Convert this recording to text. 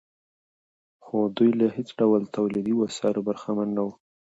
خو دوی له هېڅ ډول تولیدي وسایلو برخمن نه دي